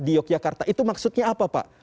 di yogyakarta itu maksudnya apa pak